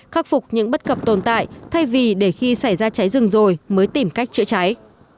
khắc phục những bất cập tồn tại thay vì để khi xảy ra cháy rừng rồi mới tìm cách chữa cháy